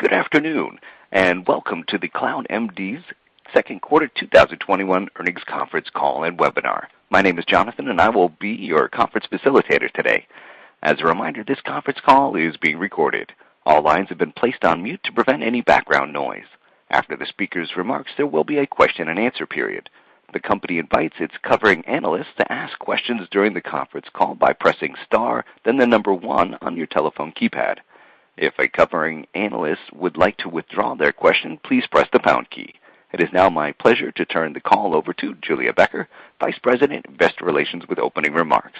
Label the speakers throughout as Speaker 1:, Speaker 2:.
Speaker 1: Good afternoon, welcome to the CloudMD's second quarter 2021 earnings conference call and webinar. My name is Jonathan. I will be your conference facilitator today. As a reminder, this conference call is being recorded. All lines have been placed on mute to prevent any background noise. After the speaker's remarks, there will be a question-and-answer period. The company invites its covering analysts to ask questions during the conference call by pressing star, then the number one on your telephone keypad. If a covering analyst would like to withdraw their question, please press the pound key. It is now my pleasure to turn the call over to Julia Becker, Vice President, Investor Relations with opening remarks.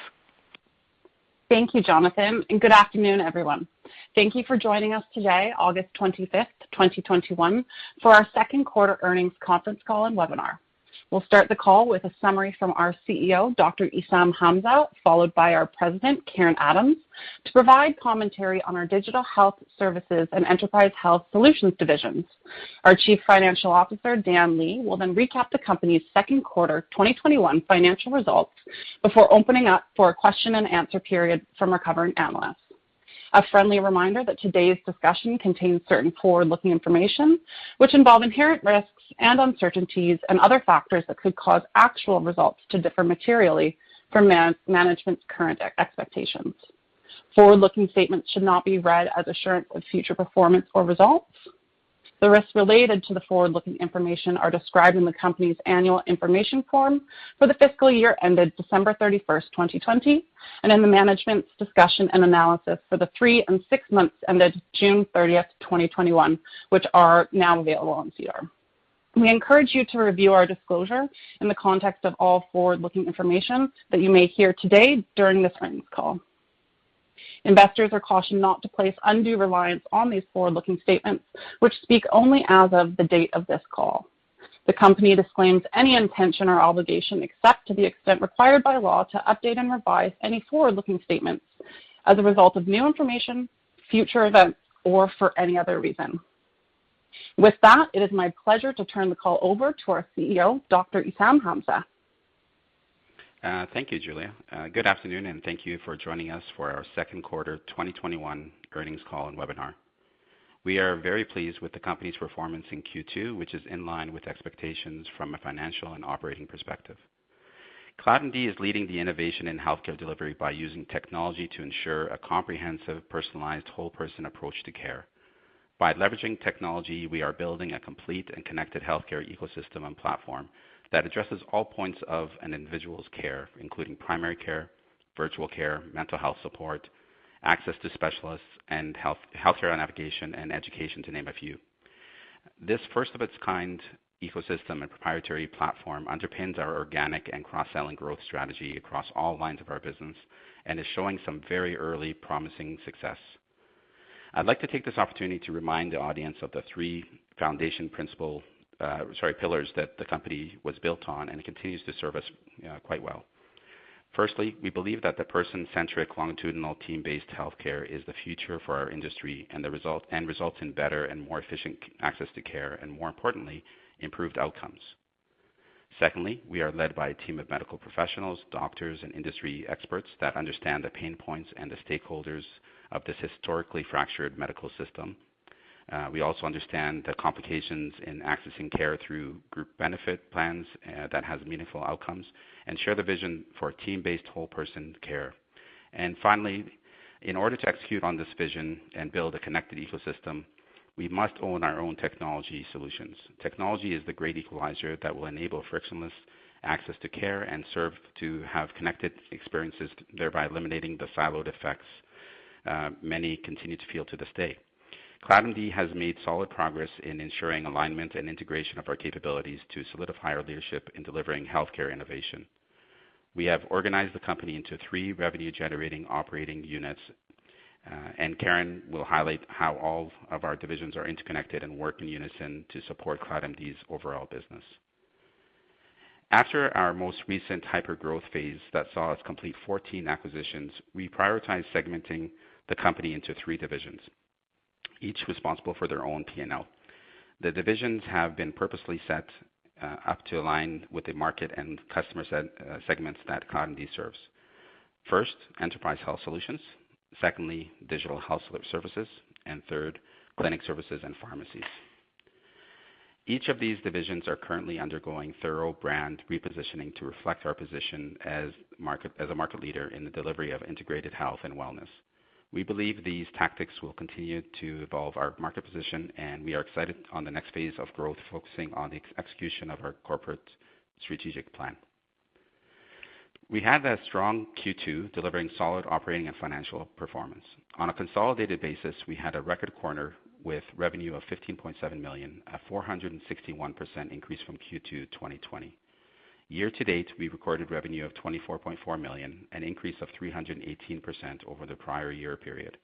Speaker 2: Thank you, Jonathan. Good afternoon, everyone. Thank you for joining us today, August 25th, 2021, for our second quarter earnings conference call and webinar. We'll start the call with a summary from our CEO, Dr. Essam Hamza, followed by our President, Karen Adams, to provide commentary on our Digital Health Solutions and Enterprise Health Solutions divisions. Our Chief Financial Officer, Dan Lee, will then recap the company's second quarter 2021 financial results before opening up for a question-and-answer period from our covering analysts. A friendly reminder that today's discussion contains certain forward-looking information, which involve inherent risks and uncertainties and other factors that could cause actual results to differ materially from management's current expectations. Forward-looking statements should not be read as assurance of future performance or results. The risks related to the forward-looking information are described in the company's annual information form for the fiscal year ended December 31st, 2020, and in the Management's Discussion and Analysis for the three and six months ended June 30th, 2021, which are now available on SEDAR. We encourage you to review our disclosure in the context of all forward-looking information that you may hear today during this earnings call. Investors are cautioned not to place undue reliance on these forward-looking statements, which speak only as of the date of this call. The company disclaims any intention or obligation, except to the extent required by law, to update and revise any forward-looking statements as a result of new information, future events, or for any other reason. With that, it is my pleasure to turn the call over to our CEO, Dr. Essam Hamza.
Speaker 3: Thank you, Julia. Good afternoon, and thank you for joining us for our second quarter 2021 earnings call and webinar. We are very pleased with the company's performance in Q2, which is in line with expectations from a financial and operating perspective. CloudMD is leading the innovation in healthcare delivery by using technology to ensure a comprehensive, personalized whole person approach to care. By leveraging technology, we are building a complete and connected healthcare ecosystem and platform that addresses all points of an individual's care, including primary care, virtual care, mental health support, access to specialists, and healthcare navigation and education, to name a few. This first of its kind ecosystem and proprietary platform underpins our organic and cross-selling growth strategy across all lines of our business and is showing some very early promising success. I'd like to take this opportunity to remind the audience of the three foundation pillars that the company was built on and continues to serve us quite well. Firstly, we believe that the person-centric, longitudinal, team-based healthcare is the future for our industry and results in better and more efficient access to care, and more importantly, improved outcomes. Secondly, we are led by a team of medical professionals, doctors, and industry experts that understand the pain points and the stakeholders of this historically fractured medical system. We also understand the complications in accessing care through group benefit plans that has meaningful outcomes and share the vision for team-based whole person care. Finally, in order to execute on this vision and build a connected ecosystem, we must own our own technology solutions. Technology is the great equalizer that will enable frictionless access to care and serve to have connected experiences, thereby eliminating the siloed effects many continue to feel to this day. CloudMD has made solid progress in ensuring alignment and integration of our capabilities to solidify our leadership in delivering healthcare innovation. We have organized the company into three revenue-generating operating units, and Karen will highlight how all of our divisions are interconnected and work in unison to support CloudMD's overall business. After our most recent hypergrowth phase that saw us complete 14 acquisitions, we prioritized segmenting the company into three divisions, each responsible for their own P&L. The divisions have been purposely set up to align with the market and customer segments that CloudMD serves. First, Enterprise Health Solutions. Second, Digital Health Solutions. Third, Clinics and Pharmacies. Each of these divisions are currently undergoing thorough brand repositioning to reflect our position as a market leader in the delivery of integrated health and wellness. We believe these tactics will continue to evolve our market position. We are excited on the next phase of growth, focusing on the execution of our corporate strategic plan. We had a strong Q2, delivering solid operating and financial performance. On a consolidated basis, we had a record quarter with revenue of 15.7 million, a 461% increase from Q2 2020. Year to date, we recorded revenue of 24.4 million, an increase of 318% over the prior year period.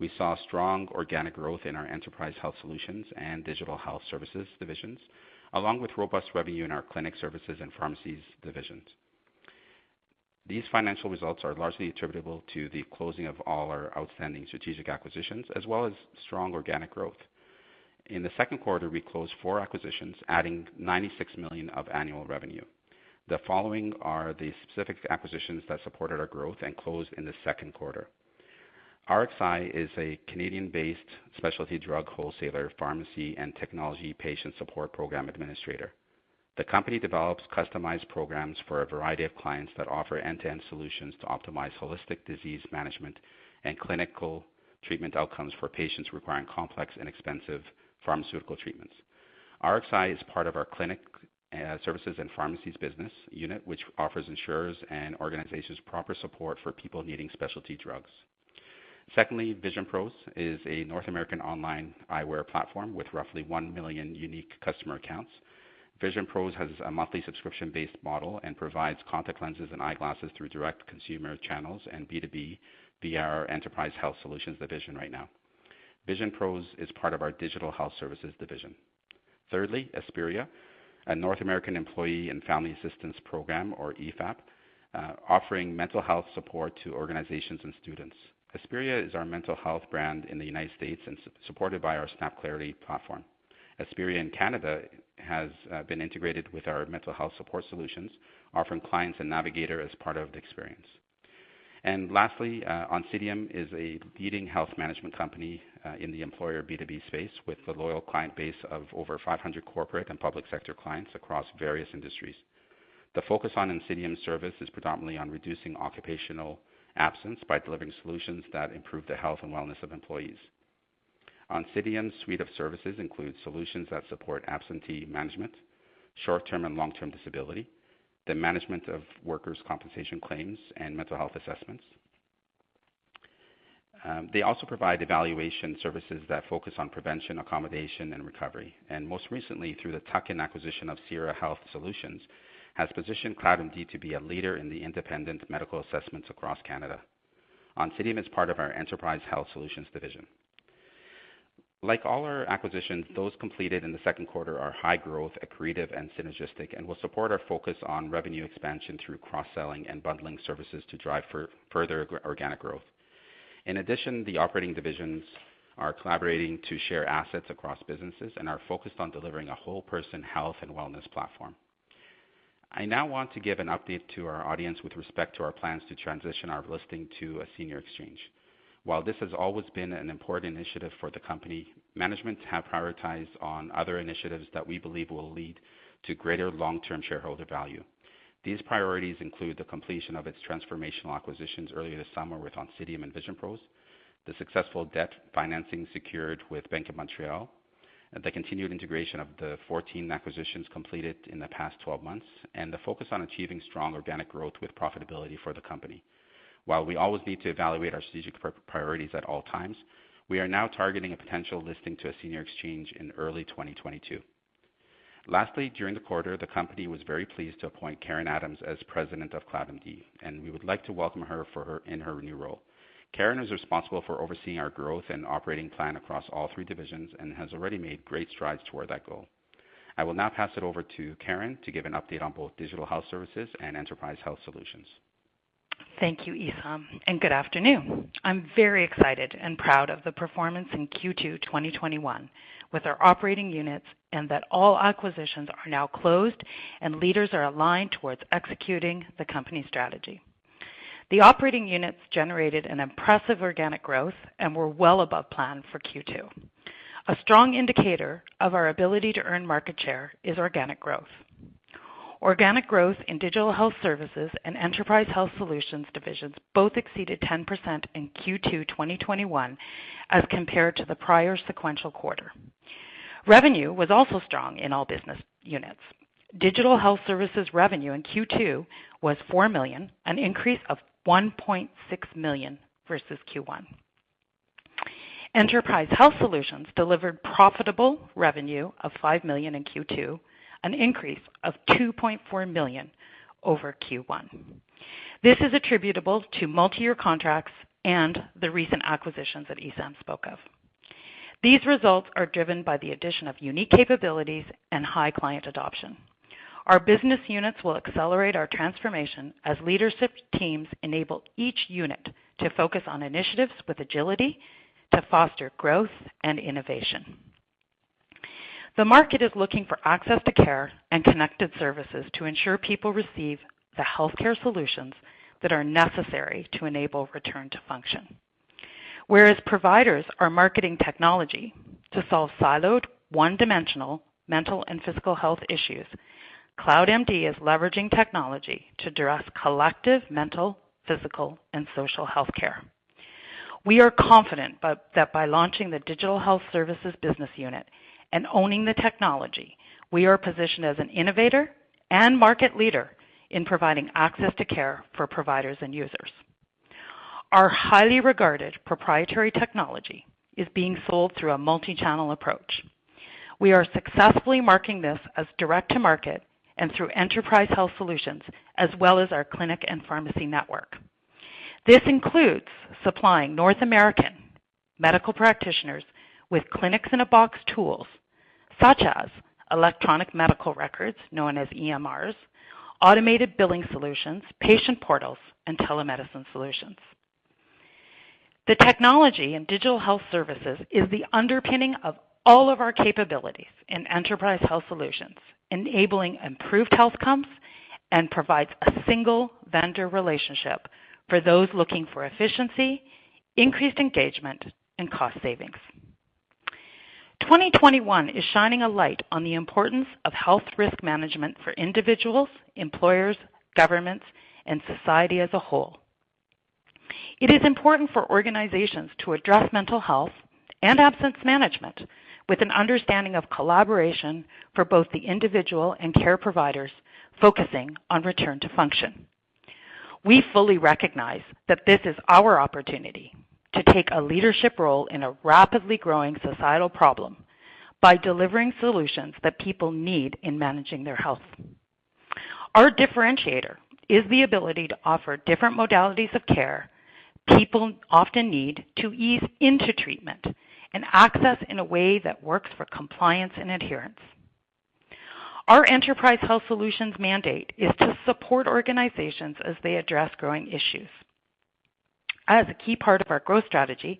Speaker 3: We saw strong organic growth in our Enterprise Health Solutions and Digital Health Solutions divisions, along with robust revenue in our Clinics and Pharmacies divisions. These financial results are largely attributable to the closing of all our outstanding strategic acquisitions, as well as strong organic growth. In the second quarter, we closed four acquisitions, adding 96 million of annual revenue. The following are the specific acquisitions that supported our growth and closed in the second quarter. Rxi is a Canadian-based specialty drug wholesaler, pharmacy, and technology patient support program administrator. The company develops customized programs for a variety of clients that offer end-to-end solutions to optimize holistic disease management and clinical treatment outcomes for patients requiring complex and expensive pharmaceutical treatments. Rxi is part of our Clinics and Pharmacies business unit, which offers insurers and organizations proper support for people needing specialty drugs. Secondly, VisionPros is a North American online eyewear platform with roughly 1 million unique customer accounts. VisionPros has a monthly subscription-based model and provides contact lenses and eyeglasses through direct consumer channels and B2B via our Enterprise Health Solutions division right now. VisionPros is part of our Digital Health Solutions division. Thirdly, Aspiria, a North American employee and family assistance program, or EFAP, offering mental health support to organizations and students. Aspiria is our mental health brand in the U.S. and supported by our Snapclarity platform. Aspiria in Canada has been integrated with our mental health support solutions, offering clients a navigator as part of the experience. Lastly, Oncidium is a leading health management company in the employer B2B space, with a loyal client base of over 500 corporate and public sector clients across various industries. The focus on Oncidium's service is predominantly on reducing occupational absence by delivering solutions that improve the health and wellness of employees. Oncidium's suite of services includes solutions that support absentee management, short-term and long-term disability, the management of workers' compensation claims, and mental health assessments. They also provide evaluation services that focus on prevention, accommodation, and recovery, and most recently, through the tuck-in acquisition of Cira Health Solutions, has positioned CloudMD to be a leader in the independent medical assessments across Canada. Oncidium is part of our Enterprise Health Solutions division. Like all our acquisitions, those completed in the second quarter are high growth, accretive, and synergistic, and will support our focus on revenue expansion through cross-selling and bundling services to drive further organic growth. In addition, the operating divisions are collaborating to share assets across businesses and are focused on delivering a whole person health and wellness platform. I now want to give an update to our audience with respect to our plans to transition our listing to a senior exchange. While this has always been an important initiative for the company, management have prioritized on other initiatives that we believe will lead to greater long-term shareholder value. These priorities include the completion of its transformational acquisitions earlier this summer with Oncidium and VisionPros, the successful debt financing secured with Bank of Montreal, the continued integration of the 14 acquisitions completed in the past 12 months, and the focus on achieving strong organic growth with profitability for the company. While we always need to evaluate our strategic priorities at all times, we are now targeting a potential listing to a senior exchange in early 2022. Lastly, during the quarter, the company was very pleased to appoint Karen Adams as President of CloudMD, and we would like to welcome her in her new role. Karen is responsible for overseeing our growth and operating plan across all three divisions and has already made great strides toward that goal. I will now pass it over to Karen to give an update on both Digital Health Solutions and Enterprise Health Solutions.
Speaker 4: Thank you, Essam. Good afternoon. I am very excited and proud of the performance in Q2 2021 with our operating units, and that all acquisitions are now closed and leaders are aligned towards executing the company strategy. The operating units generated an impressive organic growth and were well above plan for Q2. A strong indicator of our ability to earn market share is organic growth. Organic growth in Digital Health Solutions and Enterprise Health Solutions divisions both exceeded 10% in Q2 2021 as compared to the prior sequential quarter. Revenue was also strong in all business units. Digital Health Solutions revenue in Q2 was 4 million, an increase of 1.6 million versus Q1. Enterprise Health Solutions delivered profitable revenue of 5 million in Q2, an increase of 2.4 million over Q1. This is attributable to multi-year contracts and the recent acquisitions that Essam spoke of. These results are driven by the addition of unique capabilities and high client adoption. Our business units will accelerate our transformation as leadership teams enable each unit to focus on initiatives with agility to foster growth and innovation. The market is looking for access to care and connected services to ensure people receive the healthcare solutions that are necessary to enable return to function. Whereas providers are marketing technology to solve siloed, one-dimensional mental and physical health issues, CloudMD is leveraging technology to address collective mental, physical, and social healthcare. We are confident that by launching the Digital Health Solutions business unit and owning the technology, we are positioned as an innovator and market leader in providing access to care for providers and users. Our highly regarded proprietary technology is being sold through a multi-channel approach. We are successfully marketing this as direct to market and through Enterprise Health Solutions, as well as our Clinics and Pharmacies network. This includes supplying North American medical practitioners with clinics in a box tools such as electronic medical records, known as EMRs, automated billing solutions, patient portals, and telemedicine solutions. The technology in Digital Health Solutions is the underpinning of all of our capabilities in Enterprise Health Solutions, enabling improved health outcomes and provides a single vendor relationship for those looking for efficiency, increased engagement, and cost savings. 2021 is shining a light on the importance of health risk management for individuals, employers, governments, and society as a whole. It is important for organizations to address mental health and absence management with an understanding of collaboration for both the individual and care providers focusing on return to function. We fully recognize that this is our opportunity to take a leadership role in a rapidly growing societal problem by delivering solutions that people need in managing their health. Our differentiator is the ability to offer different modalities of care people often need to ease into treatment and access in a way that works for compliance and adherence. Our Enterprise Health Solutions mandate is to support organizations as they address growing issues. As a key part of our growth strategy,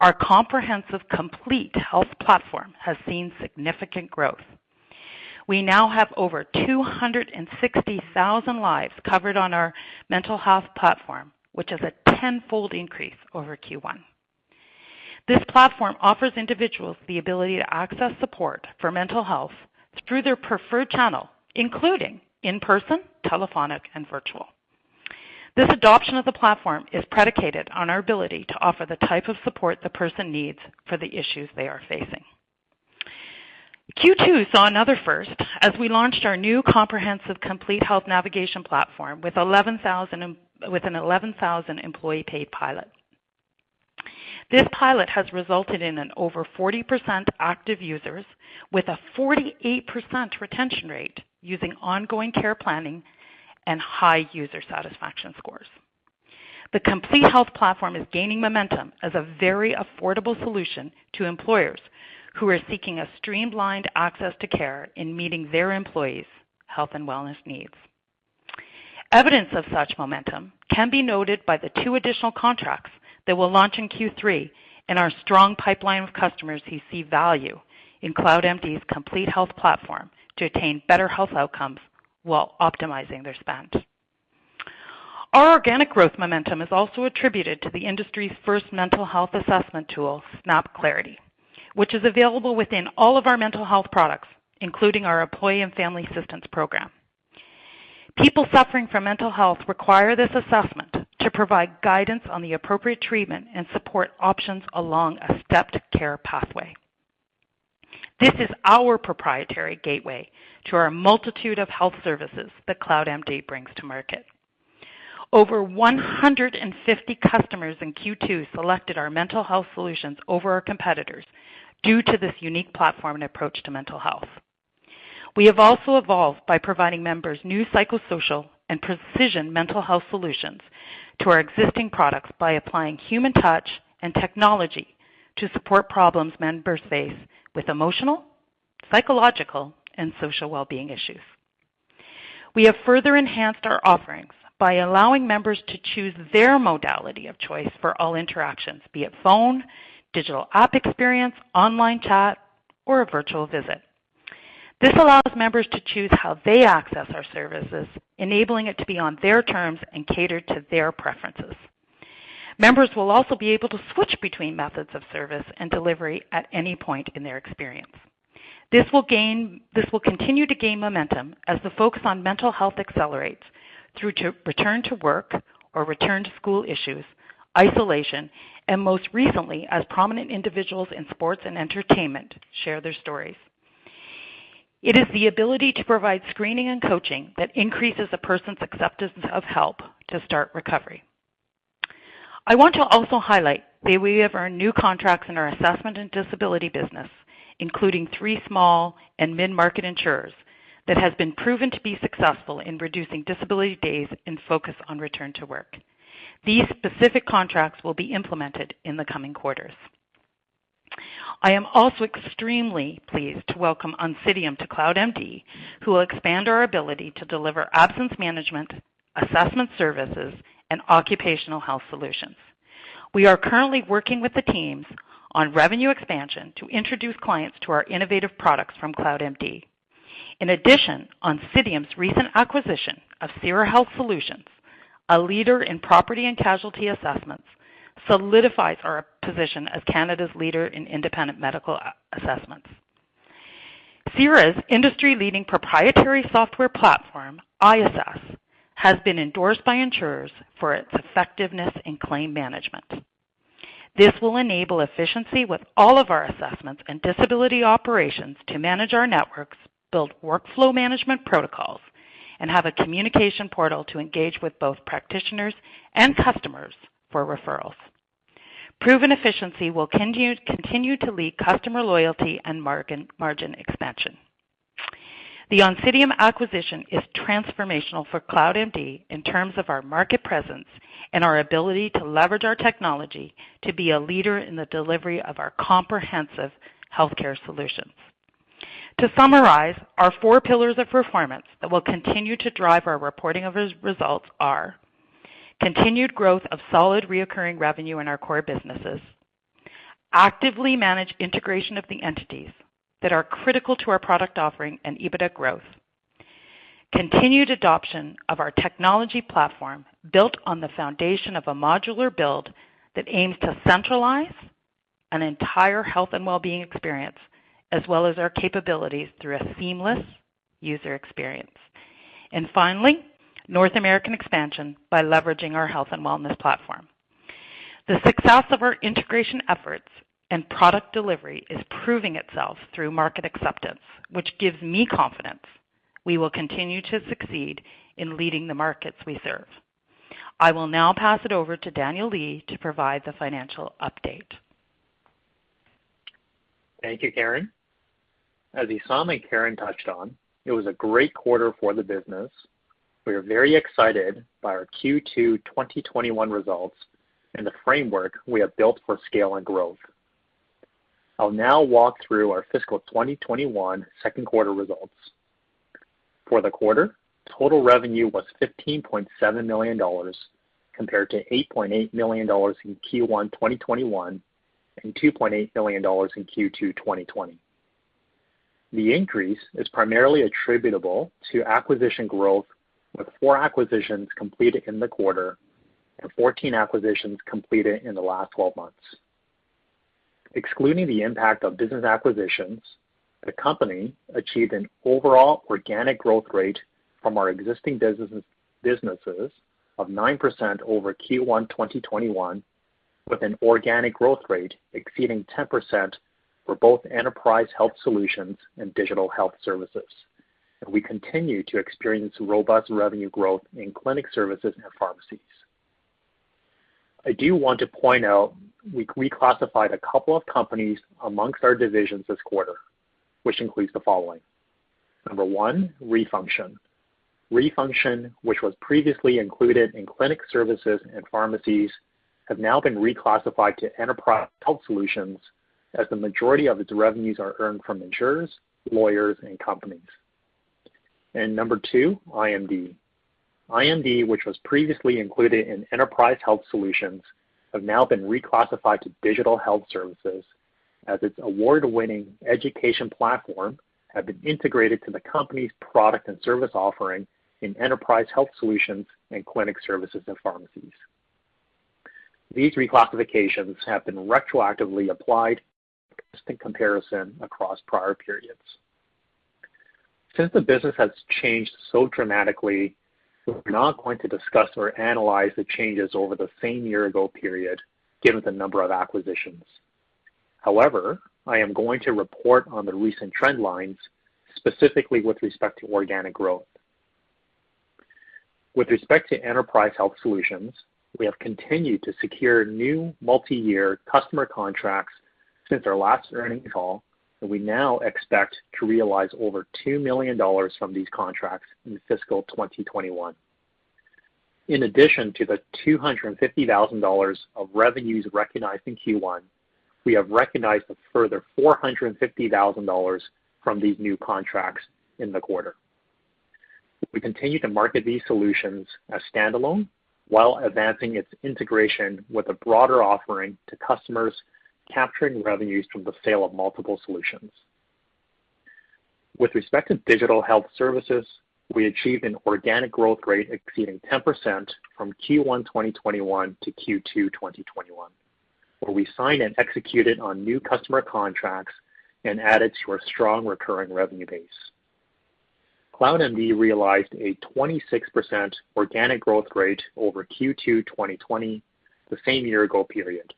Speaker 4: our comprehensive Complete Health platform has seen significant growth. We now have over 260,000 lives covered on our mental health platform, which is a 10-fold increase over Q1. This platform offers individuals the ability to access support for mental health through their preferred channel, including in-person, telephonic, and virtual. This adoption of the platform is predicated on our ability to offer the type of support the person needs for the issues they are facing. Q2 saw another first as we launched our new comprehensive Complete Health navigation platform with an 11,000-employee paid pilot. This pilot has resulted in an over 40% active users with a 48% retention rate using ongoing care planning and high user satisfaction scores. The Complete Health platform is gaining momentum as a very affordable solution to employers who are seeking a streamlined access to care in meeting their employees' health and wellness needs. Evidence of such momentum can be noted by the two additional contracts that will launch in Q3 and our strong pipeline of customers who see value in CloudMD's Complete Health platform to attain better health outcomes while optimizing their spend. Our organic growth momentum is also attributed to the industry's first mental health assessment tool, Snapclarity, which is available within all of our mental health products, including our employee and family assistance program. People suffering from mental health require this assessment to provide guidance on the appropriate treatment and support options along a stepped care pathway. This is our proprietary gateway to our multitude of health services that CloudMD brings to market. Over 150 customers in Q2 selected our mental health solutions over our competitors due to this unique platform and approach to mental health. We have also evolved by providing members new psychosocial and precision mental health solutions to our existing products by applying human touch and technology to support problems members face with emotional, psychological, and social wellbeing issues. We have further enhanced our offerings by allowing members to choose their modality of choice for all interactions, be it phone, digital app experience, online chat, or a virtual visit. This allows members to choose how they access our services, enabling it to be on their terms and catered to their preferences. Members will also be able to switch between methods of service and delivery at any point in their experience. This will continue to gain momentum as the focus on mental health accelerates through to return to work or return to school issues, isolation, and most recently, as prominent individuals in sports and entertainment share their stories. It is the ability to provide screening and coaching that increases a person's acceptance of help to start recovery. I want to also highlight that we have earned new contracts in our assessment and disability business, including three small and mid-market insurers that has been proven to be successful in reducing disability days and focus on return to work. These specific contracts will be implemented in the coming quarters. I am also extremely pleased to welcome Oncidium to CloudMD, who will expand our ability to deliver absence management, assessment services, and occupational health solutions. We are currently working with the teams on revenue expansion to introduce clients to our innovative products from CloudMD. In addition, Oncidium's recent acquisition of Cira Health Solutions, a leader in property and casualty assessments, solidifies our position as Canada's leader in independent medical assessments. Cira's industry-leading proprietary software platform, iAssess, has been endorsed by insurers for its effectiveness in claim management. This will enable efficiency with all of our assessments and disability operations to manage our networks, build workflow management protocols, and have a communication portal to engage with both practitioners and customers for referrals. Proven efficiency will continue to lead customer loyalty and margin expansion. The Oncidium acquisition is transformational for CloudMD in terms of our market presence and our ability to leverage our technology to be a leader in the delivery of our comprehensive healthcare solutions. To summarize, our four pillars of performance that will continue to drive our reporting of results are continued growth of solid recurring revenue in our core businesses, actively manage integration of the entities that are critical to our product offering and EBITDA growth, continued adoption of our technology platform built on the foundation of a modular build that aims to centralize an entire health and wellbeing experience, as well as our capabilities through a seamless user experience. Finally, North American expansion by leveraging our health and wellness platform. The success of our integration efforts and product delivery is proving itself through market acceptance, which gives me confidence we will continue to succeed in leading the markets we serve. I will now pass it over to Daniel Lee to provide the financial update.
Speaker 5: Thank you, Karen. As Essam and Karen touched on, it was a great quarter for the business. We are very excited by our Q2 2021 results and the framework we have built for scale and growth. I'll now walk through our fiscal 2021 second quarter results. For the quarter, total revenue was 15.7 million dollars, compared to 8.8 million dollars in Q1 2021, and 2.8 million dollars in Q2 2020. The increase is primarily attributable to acquisition growth, with four acquisitions completed in the quarter and 14 acquisitions completed in the last 12 months. Excluding the impact of business acquisitions, the company achieved an overall organic growth rate from our existing businesses of 9% over Q1 2021, with an organic growth rate exceeding 10% for both Enterprise Health Solutions and Digital Health Solutions. We continue to experience robust revenue growth in Clinic Services and Pharmacies. I do want to point out we reclassified a couple of companies amongst our divisions this quarter, which includes the following. Number one, Re:Function. Re:Function, which was previously included in Clinic Services and Pharmacies, have now been reclassified to Enterprise Health Solutions as the majority of its revenues are earned from insurers, lawyers, and companies. Number two, iMD. iMD, which was previously included in Enterprise Health Solutions, have now been reclassified to Digital Health Solutions as its award-winning education platform have been integrated to the company's product and service offering in Enterprise Health Solutions and Clinic Services and Pharmacies. These reclassifications have been retroactively applied to comparison across prior periods. Since the business has changed so dramatically, we're not going to discuss or analyze the changes over the same year-ago period, given the number of acquisitions. However, I am going to report on the recent trend lines, specifically with respect to organic growth. With respect to Enterprise Health Solutions, we have continued to secure new multi-year customer contracts since our last earnings call, and we now expect to realize over 2 million dollars from these contracts in fiscal 2021. In addition to the 250,000 dollars of revenues recognized in Q1, we have recognized a further 450,000 dollars from these new contracts in the quarter. We continue to market these solutions as standalone, while advancing its integration with a broader offering to customers capturing revenues from the sale of multiple solutions. With respect to Digital Health Solutions, we achieved an organic growth rate exceeding 10% from Q1 2021 to Q2 2021, where we signed and executed on new customer contracts and added to our strong recurring revenue base. CloudMD realized a 26% organic growth rate over Q2 2020, the same year-ago period,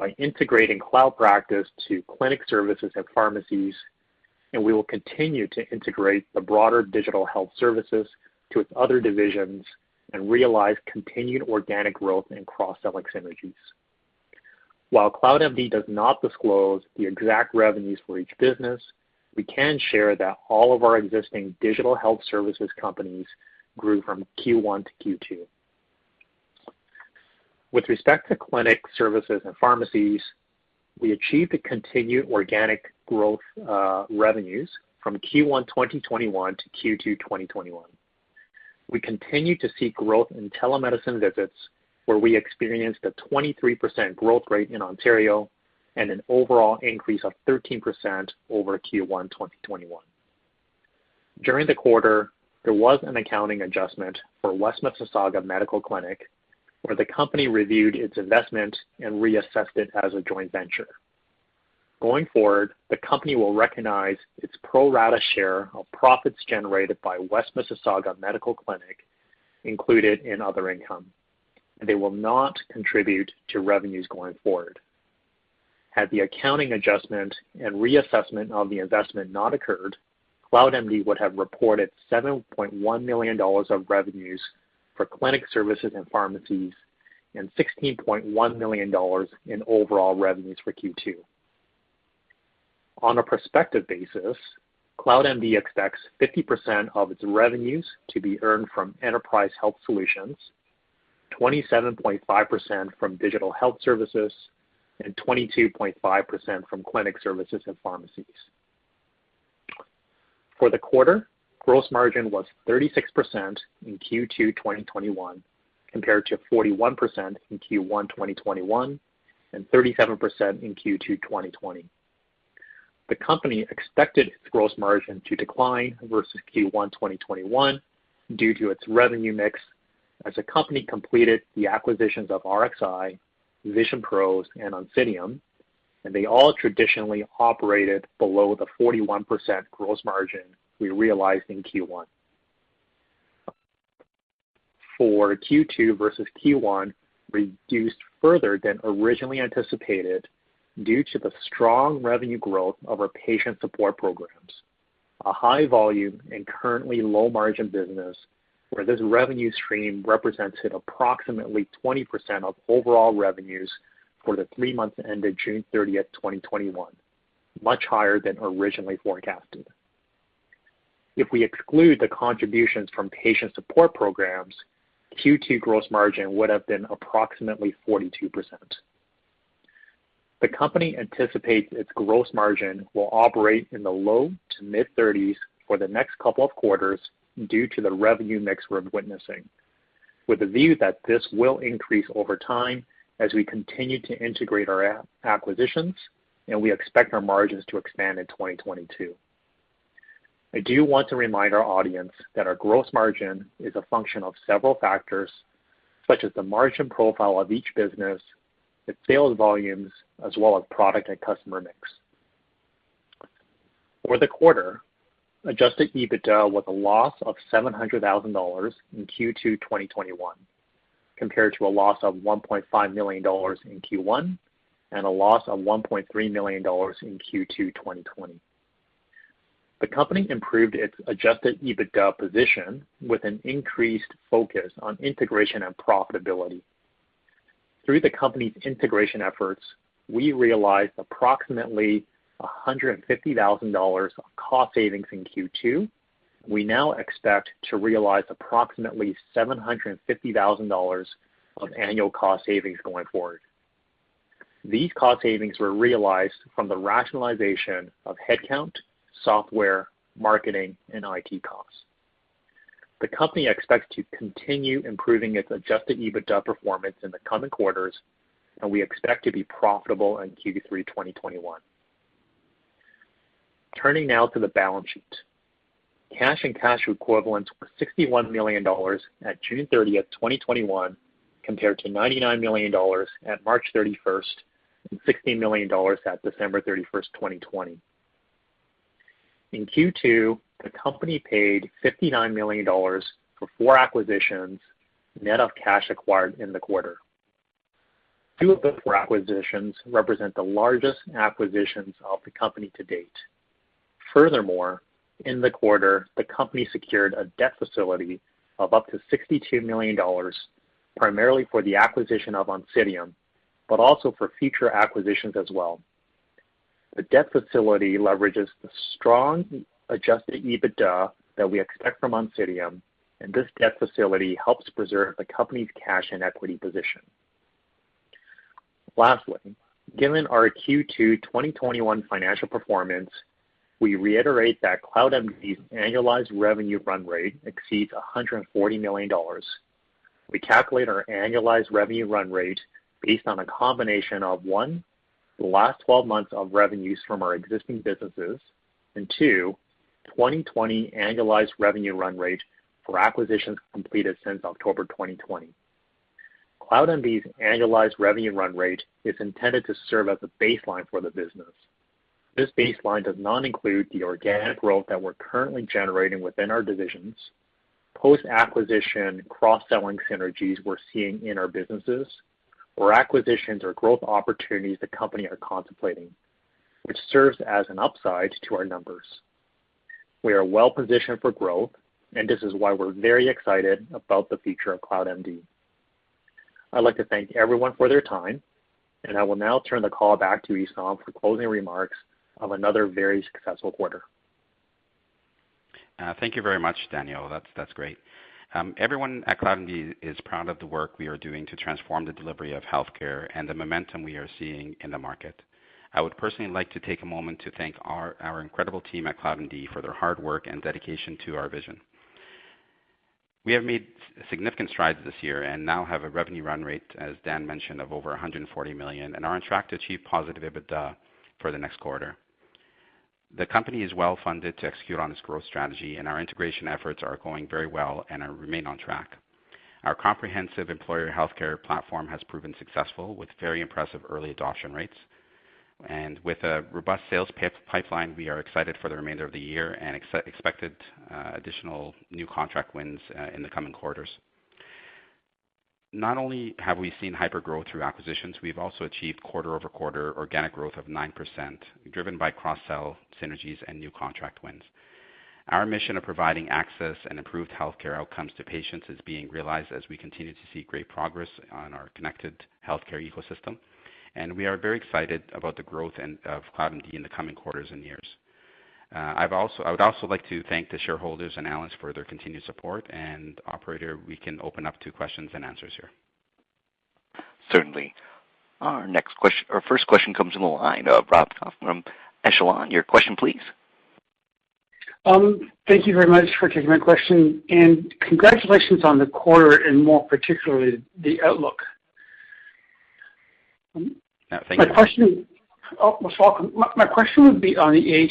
Speaker 5: by integrating Cloud Practice to Clinic Services and Pharmacies, and we will continue to integrate the broader Digital Health Solutions to its other divisions and realize continued organic growth in cross-sell synergies. While CloudMD does not disclose the exact revenues for each business, we can share that all of our existing Digital Health Solutions companies grew from Q1-Q2. With respect to Clinics and Pharmacies, we achieved a continued organic growth revenues from Q1 2021 to Q2 2021. We continue to see growth in telemedicine visits, where we experienced a 23% growth rate in Ontario and an overall increase of 13% over Q1 2021. During the quarter, there was an accounting adjustment for West Mississauga Medical Clinic, where the company reviewed its investment and reassessed it as a joint venture. Going forward, the company will recognize its pro rata share of profits generated by West Mississauga Medical Clinic included in other income, and they will not contribute to revenues going forward. Had the accounting adjustment and reassessment of the investment not occurred, CloudMD would have reported 7.1 million dollars of revenues for Clinic Services and Pharmacies and 16.1 million dollars in overall revenues for Q2. On a prospective basis, CloudMD expects 50% of its revenues to be earned from Enterprise Health Solutions, 27.5% from Digital Health Solutions and 22.5% from Clinic Services and Pharmacies. For the quarter, gross margin was 36% in Q2 2021, compared to 41% in Q1 2021 and 37% in Q2 2020. The company expected its gross margin to decline versus Q1 2021 due to its revenue mix as the company completed the acquisitions of Rxi, VisionPros, and Oncidium, and they all traditionally operated below the 41% gross margin we realized in Q1. For Q2 versus Q1, reduced further than originally anticipated due to the strong revenue growth of our patient support programs. A high volume and currently low margin business where this revenue stream represented approximately 20% of overall revenues for the three months ended June 30th, 2021, much higher than originally forecasted. If we exclude the contributions from patient support programs, Q2 gross margin would have been approximately 42%. The company anticipates its gross margin will operate in the low to mid-30s for the next couple of quarters due to the revenue mix we're witnessing with a view that this will increase over time as we continue to integrate our acquisitions, and we expect our margins to expand in 2022. I do want to remind our audience that our gross margin is a function of several factors, such as the margin profile of each business, its sales volumes, as well as product and customer mix. For the quarter, adjusted EBITDA was a loss of 700,000 dollars in Q2 2021, compared to a loss of 1.5 million dollars in Q1 and a loss of 1.3 million dollars in Q2 2020. The company improved its adjusted EBITDA position with an increased focus on integration and profitability. Through the company's integration efforts, we realized approximately 150,000 dollars of cost savings in Q2. We now expect to realize approximately 750,000 dollars of annual cost savings going forward. These cost savings were realized from the rationalization of headcount, software, marketing, and IT costs. The company expects to continue improving its adjusted EBITDA performance in the coming quarters, and we expect to be profitable in Q3 2021. Turning now to the balance sheet. Cash and cash equivalents were 61 million dollars at June 30th, 2021, compared to 99 million dollars at March 31st and 16 million dollars at December 31st, 2020. In Q2, the company paid 59 million dollars for four acquisitions, net of cash acquired in the quarter. Two of those four acquisitions represent the largest acquisitions of the company to date. Furthermore, in the quarter, the company secured a debt facility of up to 62 million dollars, primarily for the acquisition of Oncidium, but also for future acquisitions as well. The debt facility leverages the strong adjusted EBITDA that we expect from Oncidium, and this debt facility helps preserve the company's cash and equity position. Lastly, given our Q2 2021 financial performance, we reiterate that CloudMD's annualized revenue run rate exceeds 140 million dollars. We calculate our annualized revenue run rate based on a combination of, one, the last 12 months of revenues from our existing businesses, and two, 2020 annualized revenue run rate for acquisitions completed since October 2020. CloudMD's annualized revenue run rate is intended to serve as a baseline for the business. This baseline does not include the organic growth that we're currently generating within our divisions, post-acquisition cross-selling synergies we're seeing in our businesses, or acquisitions or growth opportunities the company are contemplating, which serves as an upside to our numbers. We are well-positioned for growth, and this is why we're very excited about the future of CloudMD. I'd like to thank everyone for their time. I will now turn the call back to Essam for closing remarks of another very successful quarter.
Speaker 3: Thank you very much, Daniel. That's great. Everyone at CloudMD is proud of the work we are doing to transform the delivery of healthcare and the momentum we are seeing in the market. I would personally like to take a moment to thank our incredible team at CloudMD for their hard work and dedication to our vision. We have made significant strides this year and now have a revenue run rate, as Dan mentioned, of over 140 million, and are on track to achieve positive EBITDA for the next quarter. The company is well-funded to execute on its growth strategy, and our integration efforts are going very well and remain on track. Our comprehensive employer healthcare platform has proven successful with very impressive early adoption rates. With a robust sales pipeline, we are excited for the remainder of the year and expected additional new contract wins in the coming quarters. Not only have we seen hypergrowth through acquisitions, we've also achieved quarter-over-quarter organic growth of 9%, driven by cross-sell synergies and new contract wins. Our mission of providing access and improved healthcare outcomes to patients is being realized as we continue to see great progress on our connected healthcare ecosystem. We are very excited about the growth of CloudMD in the coming quarters and years. I would also like to thank the shareholders and analysts for their continued support. Operator, we can open up to questions and answers here.
Speaker 1: Certainly. Our first question comes from the line of Rob Goff from Echelon. Your question, please.
Speaker 6: Thank you very much for taking my question. Congratulations on the quarter, and more particularly, the outlook.
Speaker 3: Thank you.
Speaker 6: You're welcome. My question would be on the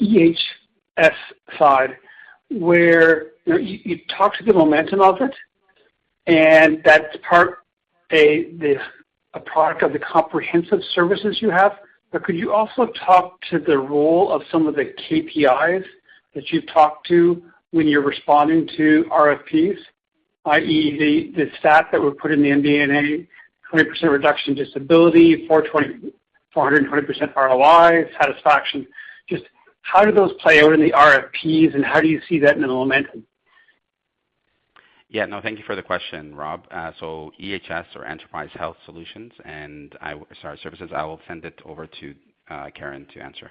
Speaker 6: EHS side, where you talked to the momentum of it, and that's a product of the comprehensive services you have. Could you also talk to the role of some of the KPIs that you've talked to when you're responding to RFPs, i.e., the stat that were put in the MD&A, 20% reduction disability, 420% ROI, satisfaction. Just how do those play out in the RFPs and how do you see that in the momentum?
Speaker 3: Yeah, no, thank you for the question, Rob. EHS or Enterprise Health Solutions, sorry, Services, I will send it over to Karen to answer.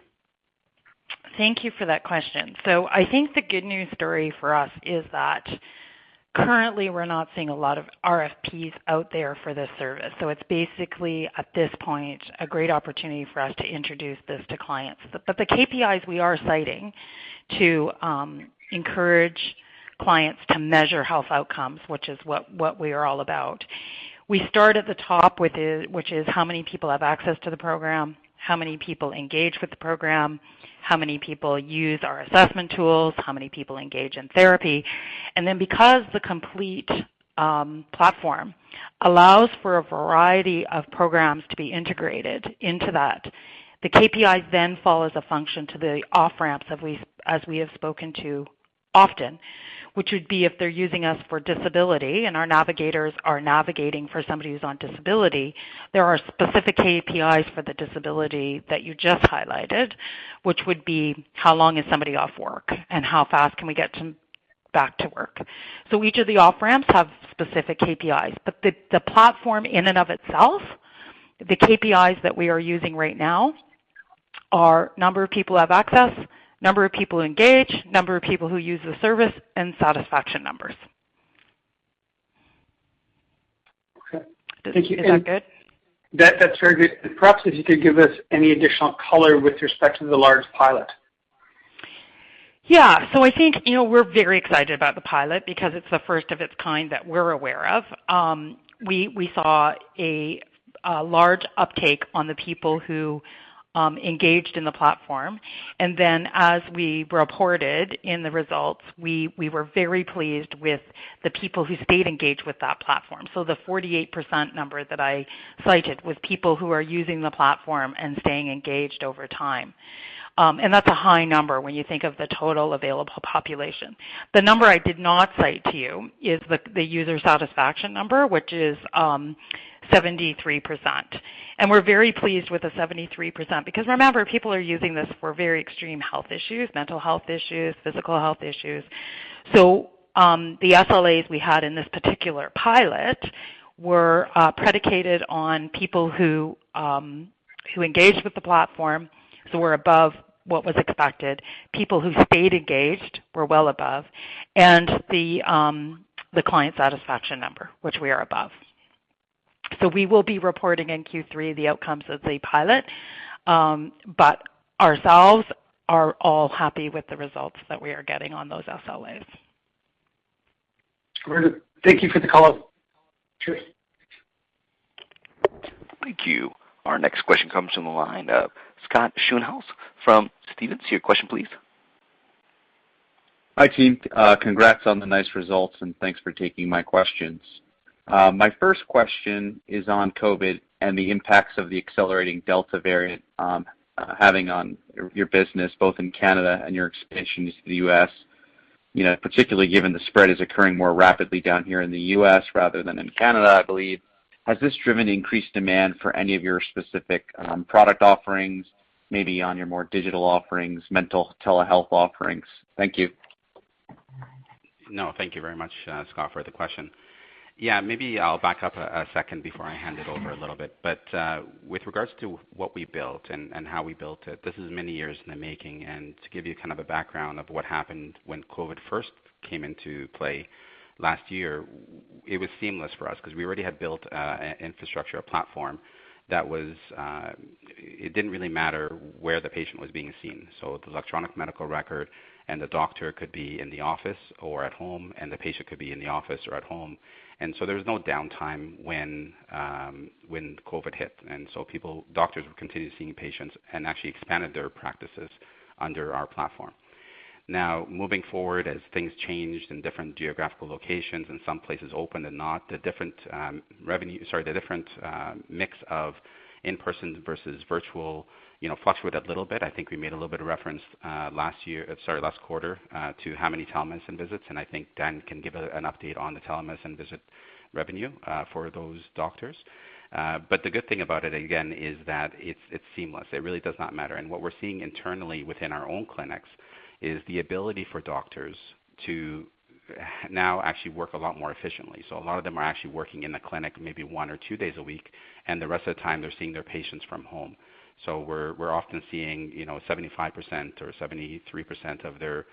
Speaker 4: Thank you for that question. I think the good news story for us is that currently we're not seeing a lot of RFPs out there for this service. It's basically, at this point, a great opportunity for us to introduce this to clients. The KPIs we are citing to encourage clients to measure health outcomes, which is what we are all about. We start at the top, which is how many people have access to the program, how many people engage with the program, how many people use our assessment tools, how many people engage in therapy. Because the Complete Health platform allows for a variety of programs to be integrated into that, the KPIs then fall as a function to the off-ramps as we have spoken to often, which would be if they are using us for disability and our navigators are navigating for somebody who's on disability, there are specific KPIs for the disability that you just highlighted, which would be how long is somebody off work and how fast can we get them back to work. Each of the off-ramps have specific KPIs. The platform in and of itself, the KPIs that we are using right now are number of people who have access, number of people engaged, number of people who use the service, and satisfaction numbers.
Speaker 6: Okay. Thank you.
Speaker 4: Is that good?
Speaker 6: That's very good. Perhaps if you could give us any additional color with respect to the large pilot.
Speaker 4: Yeah. I think we're very excited about the pilot because it's the first of its kind that we're aware of. We saw a large uptake on the people who engaged in the platform. As we reported in the results, we were very pleased with the people who stayed engaged with that platform. The 48% number that I cited was people who are using the platform and staying engaged over time. That's a high number when you think of the total available population. The number I did not cite to you is the user satisfaction number, which is 73%. We're very pleased with the 73%, because remember, people are using this for very extreme health issues, mental health issues, physical health issues. The SLAs we had in this particular pilot were predicated on people who engaged with the platform, so were above what was expected. People who stayed engaged were well above, and the client satisfaction number, which we are above. We will be reporting in Q3 the outcomes of the pilot, but ourselves are all happy with the results that we are getting on those SLAs.
Speaker 6: Thank you for the color. Cheers.
Speaker 1: Thank you. Our next question comes from the line of Scott Schoenhaus from Stephens. Your question, please.
Speaker 7: Hi, team. Congrats on the nice results, and thanks for taking my questions. My first question is on COVID and the impacts of the accelerating Delta variant having on your business, both in Canada and your expansions to the U.S. Particularly given the spread is occurring more rapidly down here in the U.S. rather than in Canada, I believe. Has this driven increased demand for any of your specific product offerings, maybe on your more digital offerings, mental telehealth offerings? Thank you.
Speaker 3: No, thank you very much, Scott, for the question. Yeah, maybe I'll back up a second before I hand it over a little bit. With regards to what we built and how we built it, this is many years in the making. To give you a background of what happened when COVID first came into play last year, it was seamless for us because we already had built a infrastructure, a platform that it didn't really matter where the patient was being seen. With electronic medical record and the doctor could be in the office or at home, and the patient could be in the office or at home. There was no downtime when COVID hit. Doctors would continue seeing patients and actually expanded their practices under our platform. Now, moving forward, as things changed in different geographical locations and some places opened and not, the different revenue, sorry, the different mix of in-person versus virtual fluctuated a little bit. I think we made a little bit of reference last quarter to how many telemedicine visits, I think Dan can give an update on the telemedicine visit revenue for those doctors. The good thing about it, again, is that it's seamless. It really does not matter. What we're seeing internally within our own clinics is the ability for doctors to now actually work a lot more efficiently. A lot of them are actually working in the clinic maybe one or two days a week, and the rest of the time they're seeing their patients from home. We're often seeing 75% or 73% of their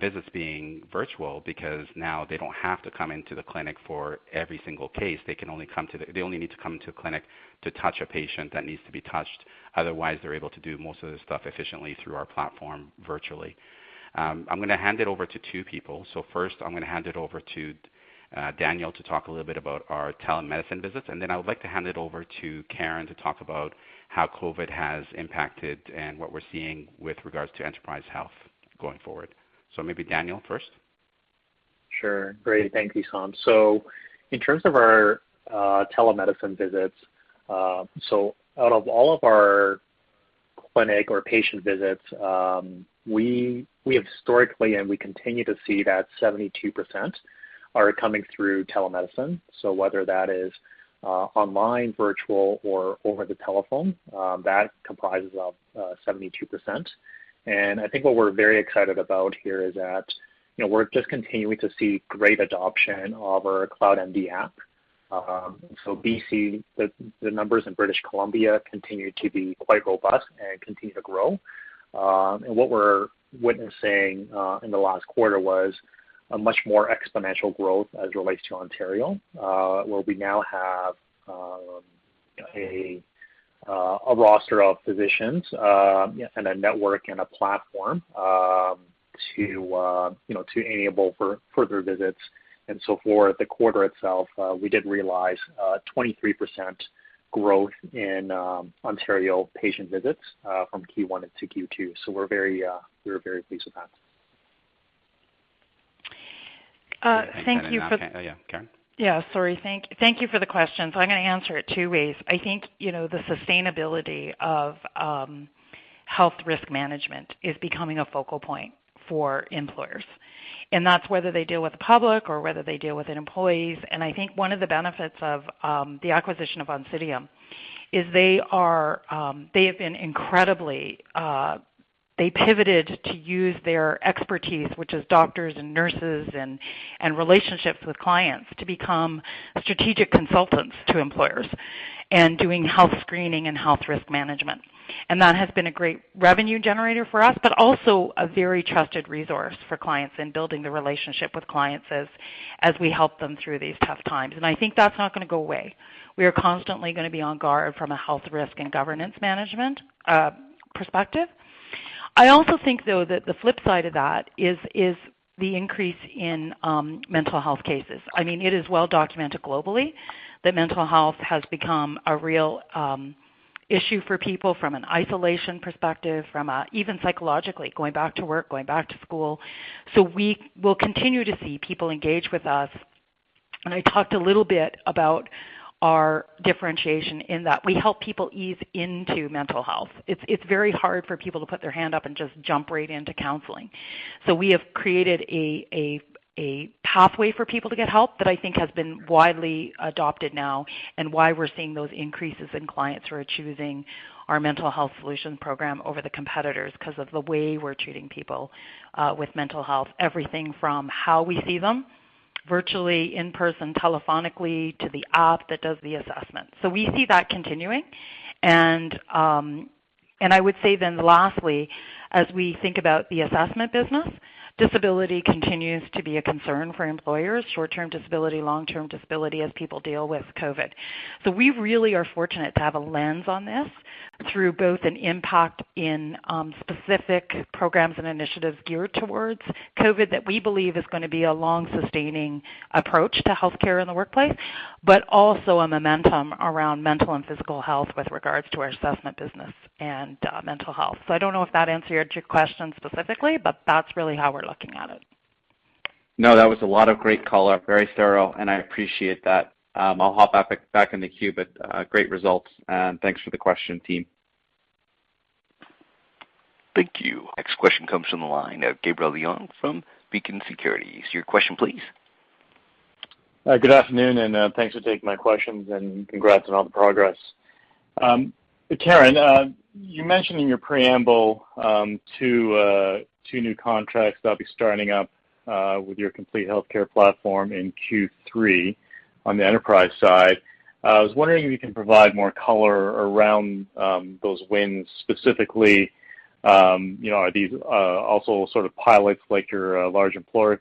Speaker 3: visits being virtual because now they don't have to come into the clinic for every single case. They only need to come to a clinic to touch a patient that needs to be touched. Otherwise, they're able to do most of the stuff efficiently through our platform virtually. I'm going to hand it over to two people. First, I'm going to hand it over to Daniel to talk a little bit about our telemedicine visits, and then I would like to hand it over to Karen to talk about how COVID has impacted and what we're seeing with regards to Enterprise Health going forward. Maybe Daniel first.
Speaker 5: Sure. Great. Thank you, Essam. In terms of our telemedicine visits, out of all of our clinic or patient visits, we have historically and we continue to see that 72% are coming through telemedicine. Whether that is online, virtual, or over the telephone, that comprises of 72%. I think what we're very excited about here is that we're just continuing to see great adoption of our CloudMD app. BC, the numbers in British Columbia continue to be quite robust and continue to grow. What we're witnessing in the last quarter was a much more exponential growth as it relates to Ontario, where we now have a roster of physicians and a network and a platform to enable further visits. For the quarter itself, we did realize a 23% growth in Ontario patient visits from Q1 into Q2. We're very pleased with that.
Speaker 3: Yeah, Karen Adams.
Speaker 4: Yeah. Sorry. Thank you for the question. I'm going to answer it two ways. I think the sustainability of health risk management is becoming a focal point for employers, and that's whether they deal with the public or whether they deal with employees. I think one of the benefits of the acquisition of Oncidium is they have been incredibly. They pivoted to use their expertise, which is doctors and nurses and relationships with clients to become strategic consultants to employers and doing health screening and health risk management. That has been a great revenue generator for us, but also a very trusted resource for clients in building the relationship with clients as we help them through these tough times. I think that's not going to go away. We are constantly going to be on guard from a health risk and governance management perspective. I also think, though, that the flip side of that is the increase in mental health cases. It is well documented globally that mental health has become a real issue for people from an isolation perspective, from even psychologically going back to work, going back to school. We will continue to see people engage with us. I talked a little bit about our differentiation in that we help people ease into mental health. It's very hard for people to put their hand up and just jump right into counseling. We have created a pathway for people to get help that I think has been widely adopted now and why we're seeing those increases in clients who are choosing our mental health solutions program over the competitors because of the way we're treating people with mental health. Everything from how we see them virtually, in person, telephonically, to the app that does the assessment. We see that continuing. I would say then lastly, as we think about the assessment business, disability continues to be a concern for employers, short-term disability, long-term disability as people deal with COVID. We really are fortunate to have a lens on this through both an impact in specific programs and initiatives geared towards COVID that we believe is going to be a long-sustaining approach to healthcare in the workplace, but also a momentum around mental and physical health with regards to our assessment business and mental health. I don't know if that answered your question specifically, but that's really how we're looking at it.
Speaker 7: No, that was a lot of great color, very thorough, and I appreciate that. I'll hop back in the queue, but great results and thanks for the question team.
Speaker 1: Thank you. Next question comes from the line. Gabriel Leung from Beacon Securities. Your question, please.
Speaker 8: Good afternoon, and thanks for taking my questions and congrats on all the progress. Karen, you mentioned in your preamble two new contracts that'll be starting up with your Complete Health platform in Q3 on the enterprise side. I was wondering if you can provide more color around those wins, specifically are these also sort of pilots like your large employer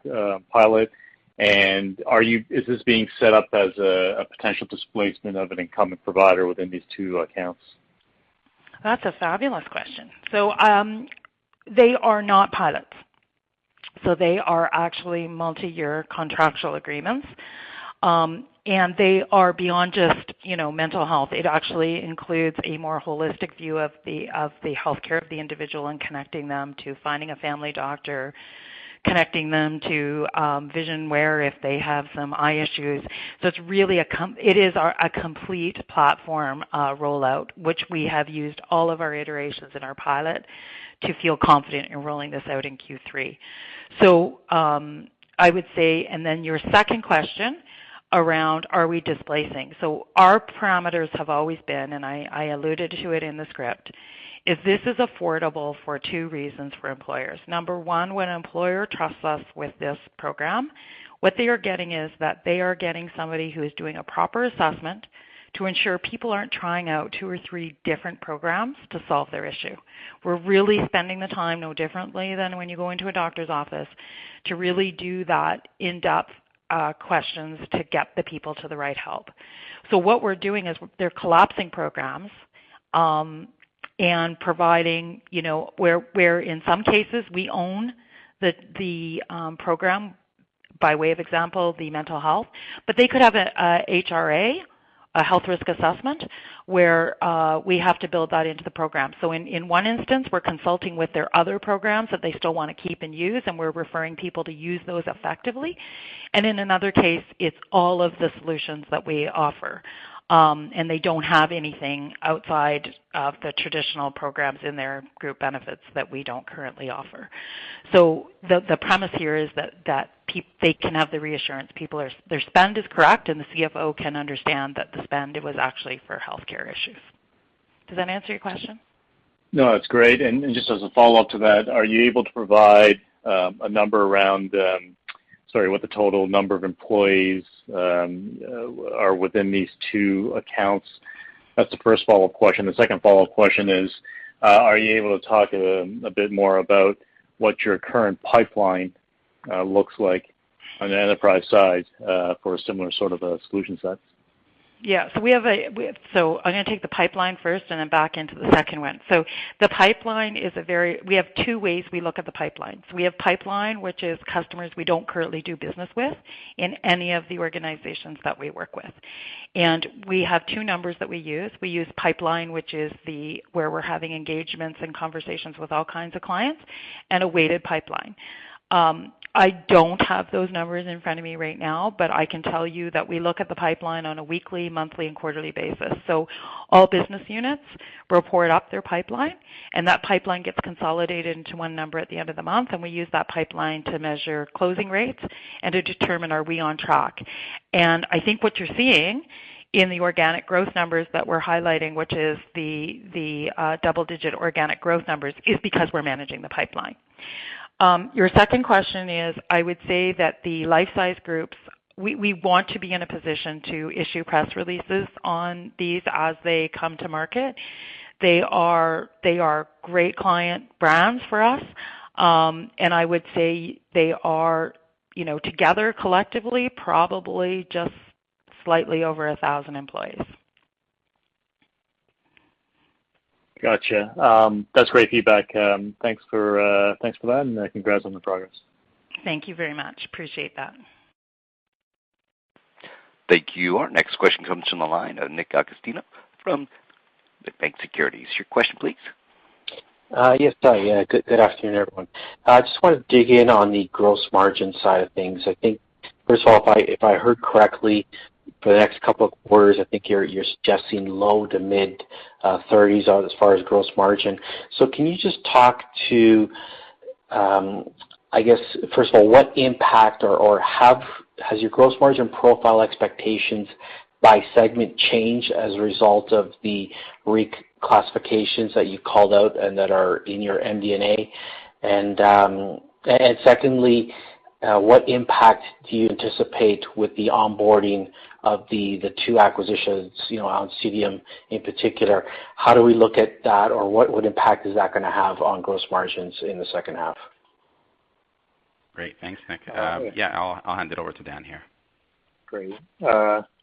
Speaker 8: pilot, and is this being set up as a potential displacement of an incumbent provider within these two accounts?
Speaker 4: That's a fabulous question. They are not pilots. They are actually multi-year contractual agreements. They are beyond just mental health. It actually includes a more holistic view of the healthcare of the individual and connecting them to finding a family doctor, connecting them to vision wear if they have some eye issues. It is a complete platform rollout, which we have used all of our iterations in our pilot to feel confident in rolling this out in Q3. I would say, and then your second question around are we displacing? Our parameters have always been, and I alluded to it in the script, if this is affordable for two reasons for employers. Number one, when an employer trusts us with this program, what they are getting is that they are getting somebody who is doing a proper assessment to ensure people aren't trying out two or three different programs to solve their issue. We're really spending the time, no differently than when you go into a doctor's office, to really do that in-depth questions to get the people to the right help. What we're doing is they're collapsing programs, and providing where in some cases we own the program, by way of example, the mental health, but they could have a HRA, a health risk assessment, where we have to build that into the program. In one instance, we're consulting with their other programs that they still want to keep in use, and we're referring people to use those effectively. In another case, it's all of the solutions that we offer. They don't have anything outside of the traditional programs in their group benefits that we don't currently offer. The premise here is that they can have the reassurance their spend is correct, and the CFO can understand that the spend was actually for healthcare issues. Does that answer your question?
Speaker 8: Just as a follow-up to that, are you able to provide a number around, sorry, what the total number of employees are within these two accounts? That's the first follow-up question. The second follow-up question is, are you able to talk a bit more about what your current pipeline looks like on the Enterprise side for a similar sort of a solution sets?
Speaker 4: I'm going to take the pipeline first and then back into the second one. We have two ways we look at the pipeline. We have pipeline, which is customers we don't currently do business with in any of the organizations that we work with. We have two numbers that we use. We use pipeline, which is where we're having engagements and conversations with all kinds of clients, and a weighted pipeline. I don't have those numbers in front of me right now, but I can tell you that we look at the pipeline on a weekly, monthly and quarterly basis. All business units report up their pipeline, and that pipeline gets consolidated into one number at the end of the month, and we use that pipeline to measure closing rates and to determine, are we on track? I think what you're seeing in the organic growth numbers that we're highlighting, which is the double-digit organic growth numbers, is because we're managing the pipeline. Your second question is, I would say that the life-size groups, we want to be in a position to issue press releases on these as they come to market. They are great client brands for us. I would say they are together collectively, probably just slightly over 1,000 employees.
Speaker 8: Gotcha. That's great feedback. Thanks for that and congrats on the progress.
Speaker 4: Thank you very much. Appreciate that.
Speaker 1: Thank you. Our next question comes from the line of Nick Agostino from Laurentian Bank Securities. Your question, please.
Speaker 9: Yes. Good afternoon, everyone. I just want to dig in on the gross margin side of things. I think, first of all, if I heard correctly for the next couple of quarters, I think you're suggesting low to mid-30% as far as gross margin. Can you just talk to, I guess first of all, what impact or has your gross margin profile expectations by segment changed as a result of the reclassifications that you called out and that are in your MD&A? Secondly, what impact do you anticipate with the onboarding of the two acquisitions, Oncidium in particular? How do we look at that or what impact is that going to have on gross margins in the second half?
Speaker 3: Great. Thanks, Nick. Yeah, I'll hand it over to Dan here.
Speaker 5: Great.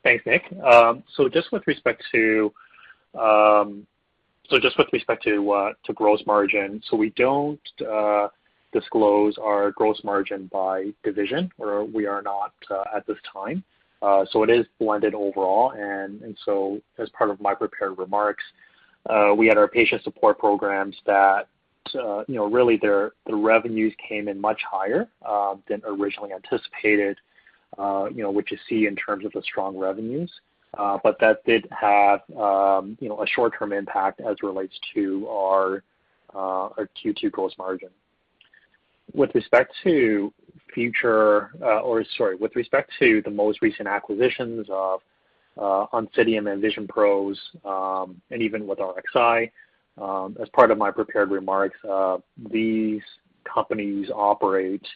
Speaker 5: Thanks, Nick. Just with respect to gross margin. We don't disclose our gross margin by division, or we are not at this time. It is blended overall, as part of my prepared remarks, we had our patient support programs that really their revenues came in much higher than originally anticipated, which you see in terms of the strong revenues. That did have a short-term impact as relates to our Q2 gross margin. With respect to the most recent acquisitions of Oncidium and VisionPros, and even with Rxi, as part of my prepared remarks, these companies operate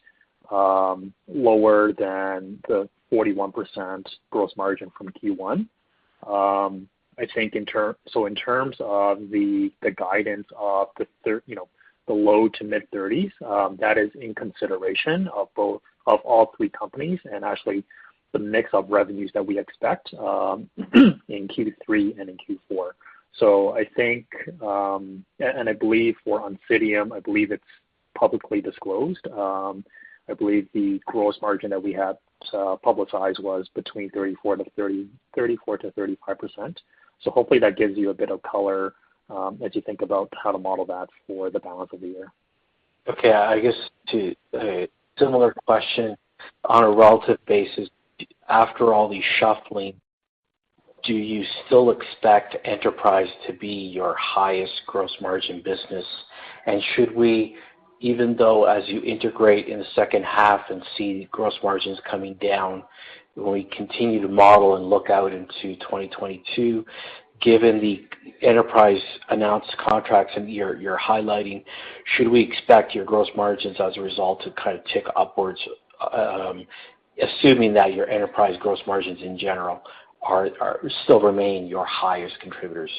Speaker 5: lower than the 41% gross margin from Q1. In terms of the guidance of the low to mid-30s, that is in consideration of all three companies and actually the mix of revenues that we expect in Q3 and in Q4. I think, I believe for Oncidium, I believe it's publicly disclosed. I believe the gross margin that we had publicized was between 34%-35%. Hopefully that gives you a bit of color as you think about how to model that for the balance of the year.
Speaker 9: Okay. I guess to a similar question. On a relative basis, after all the shuffling. Do you still expect Enterprise to be your highest gross margin business? Should we, even though as you integrate in the second half and see gross margins coming down, when we continue to model and look out into 2022, given the Enterprise announced contracts and you're highlighting, should we expect your gross margins as a result to kind of tick upwards, assuming that your Enterprise gross margins in general still remain your highest contributors?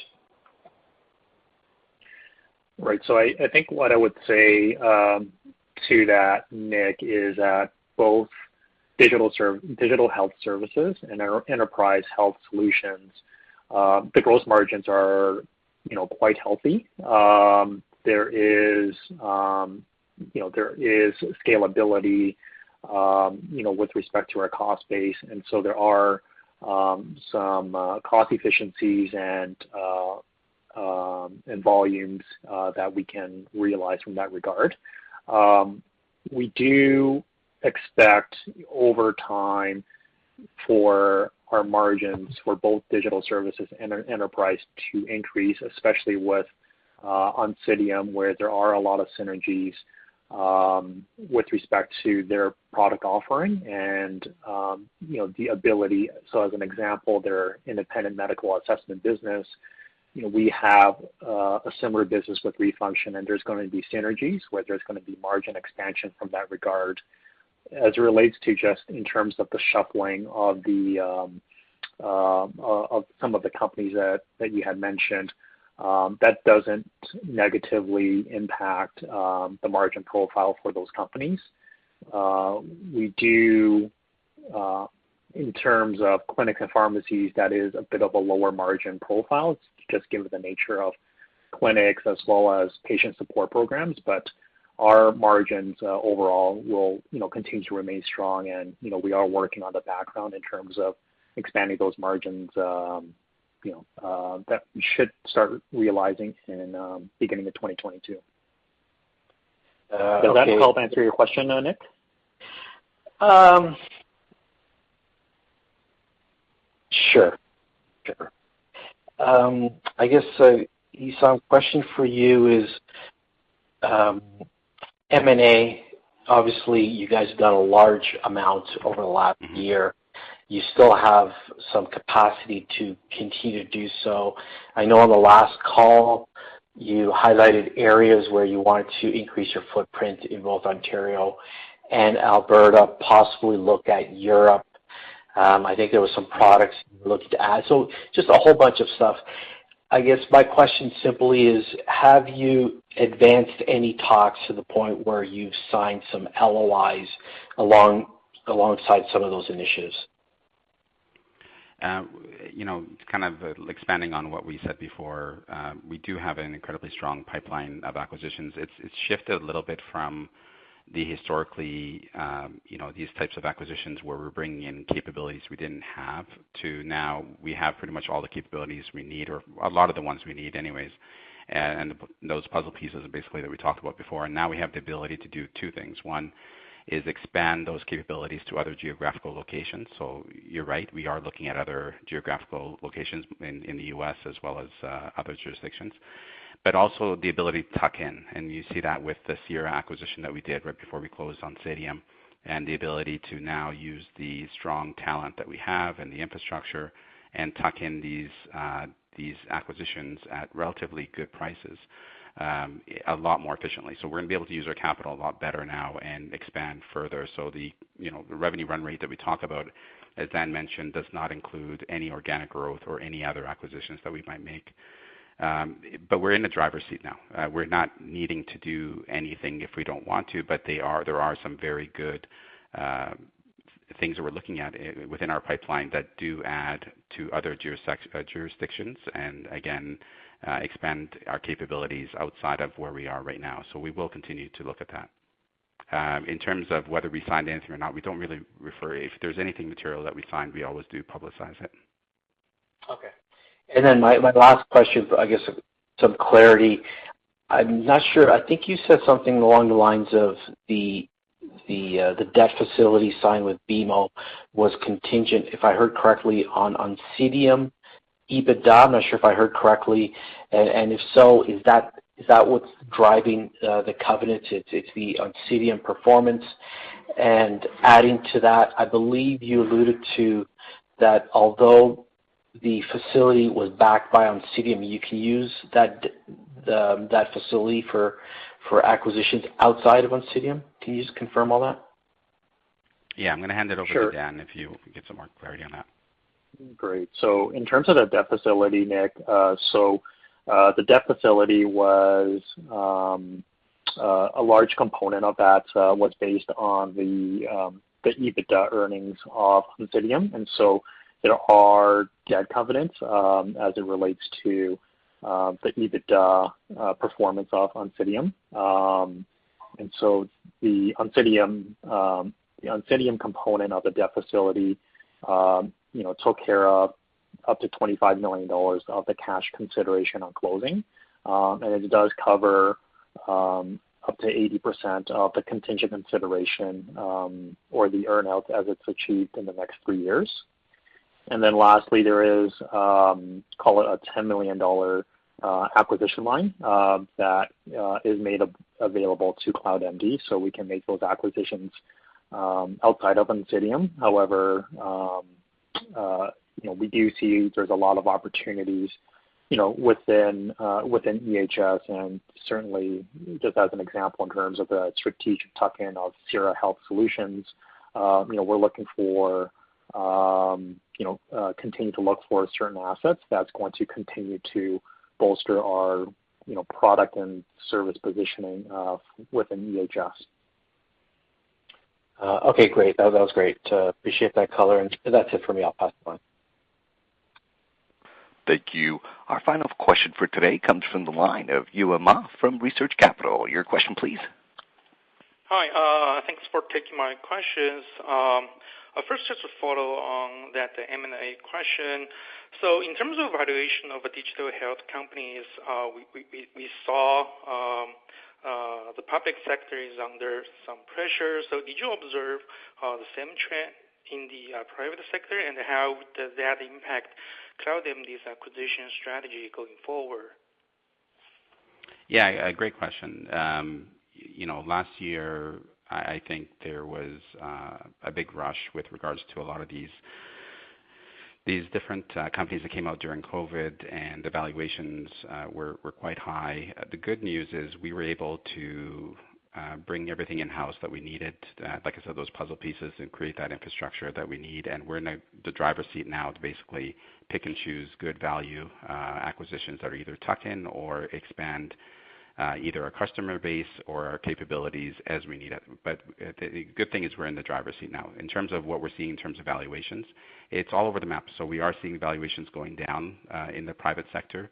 Speaker 5: Right. I think what I would say to that, Nick, is that both Digital Health Solutions and Enterprise Health Solutions, the gross margins are quite healthy. There is scalability with respect to our cost base, there are some cost efficiencies and volumes that we can realize from that regard. We do expect over time for our margins for both Digital Health Solutions and Enterprise Health Solutions to increase, especially with Oncidium, where there are a lot of synergies with respect to their product offering and the ability. As an example, their independent medical assessment business, we have a similar business with Re:Function and there's going to be synergies where there's going to be margin expansion from that regard. As it relates to just in terms of the shuffling of some of the companies that you had mentioned, that doesn't negatively impact the margin profile for those companies. We do, in terms of Clinics and Pharmacies, that is a bit of a lower margin profile, just given the nature of clinics as well as patient support programs. Our margins overall will continue to remain strong, and we are working on the background in terms of expanding those margins, that we should start realizing in beginning of 2022.
Speaker 9: Okay.
Speaker 5: Does that help answer your question, Nick?
Speaker 9: Sure. I guess, Essam, question for you is M&A. Obviously, you guys have done a large amount over the last year. You still have some capacity to continue to do so. I know on the last call you highlighted areas where you wanted to increase your footprint in both Ontario and Alberta, possibly look at Europe. I think there was some products you were looking to add. Just a whole bunch of stuff. I guess my question simply is, have you advanced any talks to the point where you've signed some LOIs alongside some of those initiatives?
Speaker 3: Kind of expanding on what we said before, we do have an incredibly strong pipeline of acquisitions. It's shifted a little bit from the historically, these types of acquisitions where we're bringing in capabilities we didn't have to now we have pretty much all the capabilities we need or a lot of the ones we need anyways, and those puzzle pieces basically that we talked about before. Now we have the ability to do two things. One is expand those capabilities to other geographical locations. You're right, we are looking at other geographical locations in the U.S. as well as other jurisdictions, but also the ability to tuck in. You see that with the Cira acquisition that we did right before we closed Oncidium and the ability to now use the strong talent that we have and the infrastructure and tuck in these acquisitions at relatively good prices a lot more efficiently. We're going to be able to use our capital a lot better now and expand further. The revenue run rate that we talk about, as Dan mentioned, does not include any organic growth or any other acquisitions that we might make. We're in the driver's seat now. We're not needing to do anything if we don't want to, but there are some very good things that we're looking at within our pipeline that do add to other jurisdictions and again expand our capabilities outside of where we are right now. We will continue to look at that. In terms of whether we signed anything or not, we don't really refer. If there's anything material that we signed, we always do publicize it.
Speaker 9: My last question for, I guess, some clarity. I'm not sure, I think you said something along the lines of the debt facility signed with BMO was contingent, if I heard correctly, on Oncidium EBITDA. I'm not sure if I heard correctly. If so, is that what's driving the covenants, it's the Oncidium performance? Adding to that, I believe you alluded to that although the facility was backed by Oncidium, you can use that facility for acquisitions outside of Oncidium. Can you just confirm all that?
Speaker 3: I'm going to hand it over to Dan if you get some more clarity on that.
Speaker 5: Great. In terms of the debt facility, Nick, so the debt facility was a large component of that was based on the EBITDA earnings of Oncidium, there are debt covenants as it relates to the EBITDA performance of Oncidium. The Oncidium component of the debt facility took care of up to 25 million dollars of the cash consideration on closing. It does cover up to 80% of the contingent consideration or the earn-out as it's achieved in the next three years. Lastly, there is, call it a 10 million dollar acquisition line that is made available to CloudMD, so we can make those acquisitions outside of Oncidium. However, we do see there's a lot of opportunities within EHS and certainly, just as an example, in terms of the strategic tuck-in of Cira Health Solutions. We're looking to continue to look for certain assets that's going to continue to bolster our product and service positioning within EHS.
Speaker 9: Okay, great. That was great. Appreciate that color, and that's it for me. I'll pass the line.
Speaker 1: Thank you. Our final question for today comes from the line of Yue Ma from Research Capital. Your question please.
Speaker 10: Hi. Thanks for taking my questions. First, just a follow on that M&A question. In terms of valuation of digital health companies, we saw the public sector is under some pressure. Did you observe the same trend in the private sector, and how does that impact CloudMD's acquisition strategy going forward?
Speaker 3: Yeah, great question. Last year, I think there was a big rush with regards to a lot of these different companies that came out during COVID, and the valuations were quite high. The good news is we were able to bring everything in-house that we needed, like I said, those puzzle pieces, and create that infrastructure that we need. We're in the driver's seat now to basically pick and choose good value acquisitions that are either tuck-in or expand, either our customer base or our capabilities as we need it. The good thing is we're in the driver's seat now. In terms of what we're seeing in terms of valuations, it's all over the map. We are seeing valuations going down in the private sector,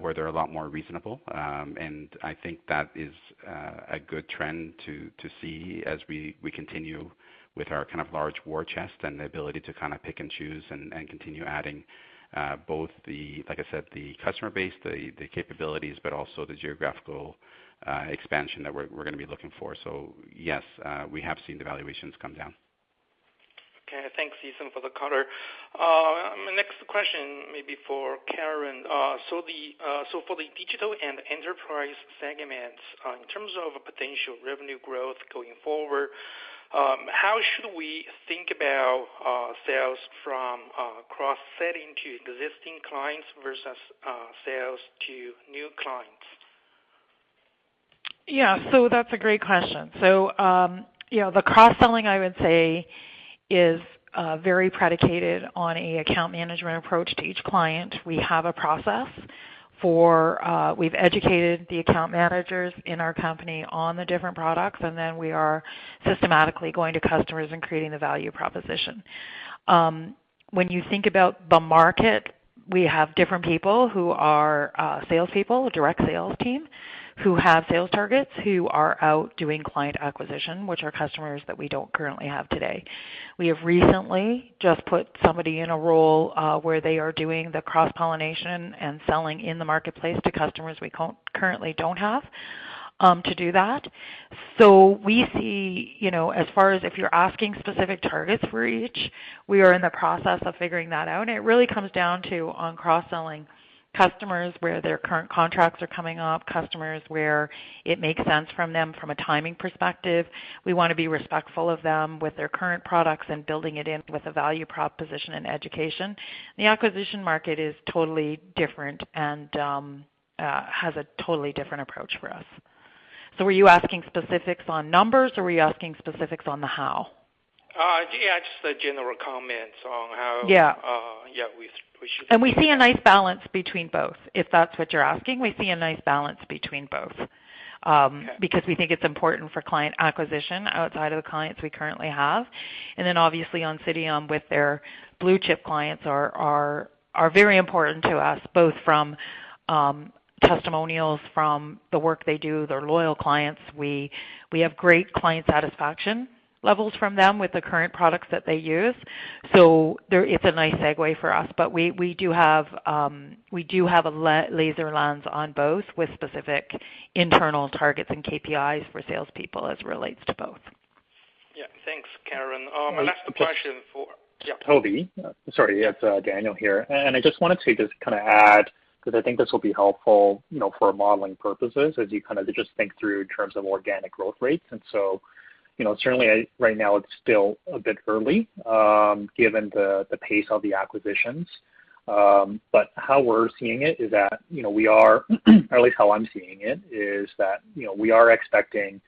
Speaker 3: where they're a lot more reasonable. I think that is a good trend to see as we continue with our large war chest and the ability to pick and choose and continue adding both the, like I said, the customer base, the capabilities, but also the geographical expansion that we're going to be looking for. Yes, we have seen the valuations come down.
Speaker 10: Okay. Thanks, Essam Hamza, for the color. My next question may be for Karen. For the Digital and Enterprise segments, in terms of potential revenue growth going forward, how should we think about sales from cross-selling to existing clients versus sales to new clients?
Speaker 4: That's a great question. The cross-selling, I would say, is very predicated on an account management approach to each client. We've educated the account managers in our company on the different products, and then we are systematically going to customers and creating the value proposition. When you think about the market, we have different people who are salespeople, a direct sales team, who have sales targets, who are out doing client acquisition, which are customers that we don't currently have today. We have recently just put somebody in a role where they are doing the cross-pollination and selling in the marketplace to customers we currently don't have to do that. We see, as far as if you're asking specific targets for each, we are in the process of figuring that out. It really comes down to on cross-selling customers where their current contracts are coming up, customers where it makes sense from them from a timing perspective. We want to be respectful of them with their current products and building it in with a value proposition and education. The acquisition market is totally different and has a totally different approach for us. Were you asking specifics on numbers or were you asking specifics on the how?
Speaker 10: Yeah, just a general comment on.
Speaker 4: Yeah.
Speaker 10: Yeah, we should-
Speaker 4: We see a nice balance between both. If that's what you're asking, we see a nice balance between both.
Speaker 10: Okay.
Speaker 4: Because we think it's important for client acquisition outside of the clients we currently have. Obviously Oncidium with their blue-chip clients are very important to us, both from testimonials from the work they do, they're loyal clients. We have great client satisfaction levels from them with the current products that they use. It's a nice segue for us, but we do have a laser lens on both with specific internal targets and KPIs for salespeople as it relates to both.
Speaker 10: Yeah. Thanks, Karen. My last question.
Speaker 5: Toby. Sorry, it's Daniel here. I wanted to just add, because I think this will be helpful for modeling purposes as you just think through in terms of organic growth rates. Certainly right now it's still a bit early, given the pace of the acquisitions. How we're seeing it is that we are, or at least how I'm seeing it, is that we are expecting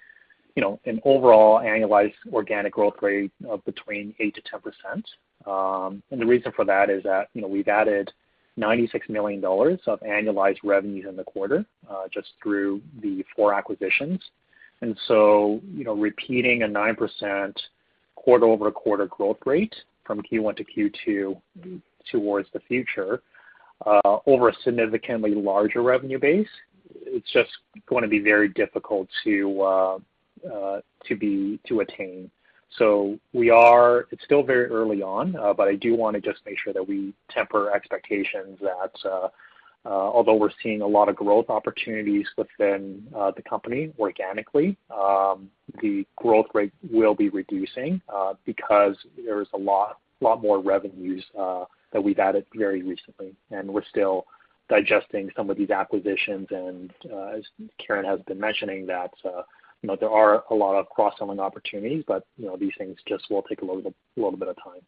Speaker 5: an overall annualized organic growth rate of between 8%-10%. The reason for that is that we've added 96 million dollars of annualized revenues in the quarter, just through the four acquisitions. Repeating a 9% quarter-over-quarter growth rate from Q1-Q2 towards the future, over a significantly larger revenue base, it's just going to be very difficult to attain. It's still very early on, but I do want to just make sure that we temper expectations that although we're seeing a lot of growth opportunities within the company organically, the growth rate will be reducing because there is a lot more revenues that we've added very recently. We're still digesting some of these acquisitions. As Karen has been mentioning that there are a lot of cross-selling opportunities, but these things just will take a little bit of time.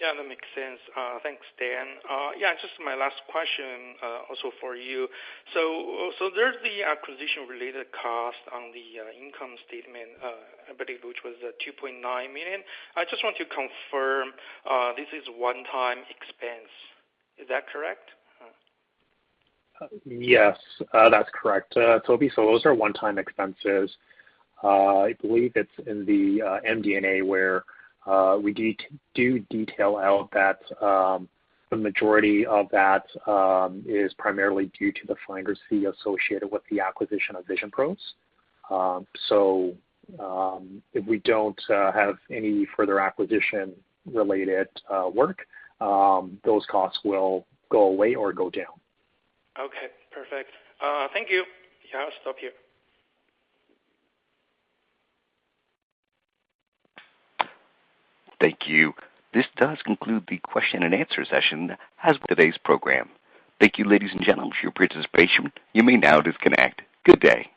Speaker 10: Yeah, that makes sense. Thanks, Dan. Yeah, just my last question also for you. There's the acquisition-related cost on the income statement, I believe, which was 2.9 million. I just want to confirm, this is one-time expense. Is that correct?
Speaker 5: Yes. That's correct, Toby. Those are one-time expenses. I believe it's in the MD&A where we do detail out that the majority of that is primarily due to the finder's fee associated with the acquisition of VisionPros. If we don't have any further acquisition-related work, those costs will go away or go down.
Speaker 10: Okay, perfect. Thank you. Yeah, I'll stop here.
Speaker 1: Thank you. This does conclude the question-and-answer session as with today's program. Thank you, ladies and gentlemen, for your participation. You may now disconnect. Good day.